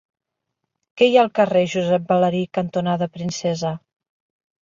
Què hi ha al carrer Josep Balari cantonada Princesa?